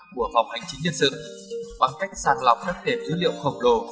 của phòng hành chính nhân sự bằng cách sàn lọc các tiệm dữ liệu khẩu đồ